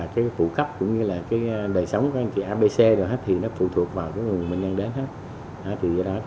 cái phụ khắp cũng như là đời sống của anh chị abc thì nó phụ thuộc vào cái nguồn bệnh nhân đến hết